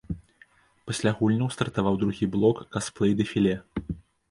Пасля гульняў стартаваў другі блок касплэй-дэфіле.